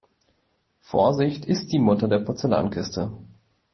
Vorsicht ist die Mutter der Porzellankiste.